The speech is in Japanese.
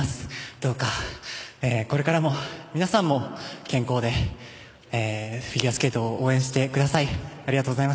どうかこれからも皆さんも健康でフィギュアスケートを応援してください。